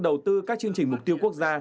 đầu tư các chương trình mục tiêu quốc gia